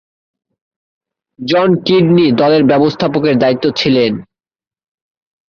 জন Kidney দলের ব্যবস্থাপকের দায়িত্বে ছিলেন।